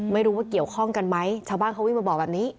ไม่รู้ว่าเกี่ยวข้องกันไหมชาวบ้านเขาวิ่งมาบอกแบบนี้